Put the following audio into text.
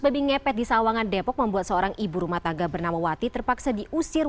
babi ngepet di sawangan depok membuat seorang ibu rumah tangga bernama wati terpaksa diusir